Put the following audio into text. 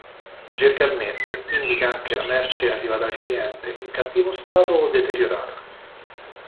Gergalmente indica anche la merce arrivata al cliente in cattivo stato o deteriorata.